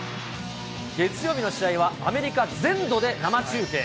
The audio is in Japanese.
月曜日の試合はアメリカ全土で生中継。